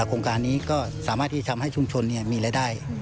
โครงการนี้ก็สามารถที่ทำให้ชุมชนมีรายได้